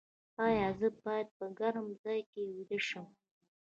ایا زه باید په ګرم ځای کې ویده شم؟